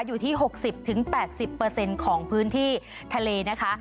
อยู่ที่๖๐๘๐ของพื้นที่ทะเลนะคะ